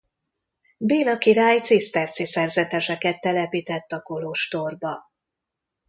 Béla király ciszterci szerzeteseket telepített a kolostorba.